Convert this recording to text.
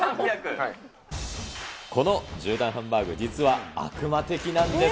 この１０段ハンバーグ、実は悪魔的なんです。